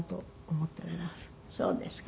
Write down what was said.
そうですか。